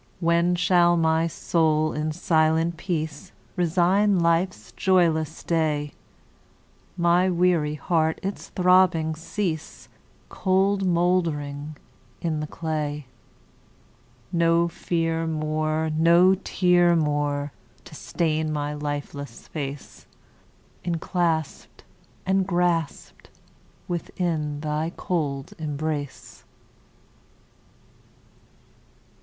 When shall my soul, in silent peace, Resign life's joyless day My weary heart its throbbing cease, Cold mould'ring in the clay? No fear more, no tear more, To stain my lifeless face, Enclasped, and grasped, Within thy cold embrace!